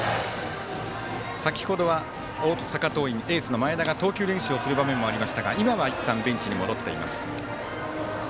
先ほどは大阪桐蔭エースの前田が投球練習をする場面もありましたが今は、いったんベンチに戻っています。